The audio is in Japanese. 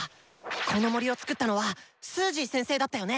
この森を創ったのはスージー先生だったよね！